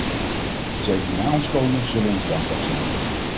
Zij die na ons komen zullen ons dankbaar zijn.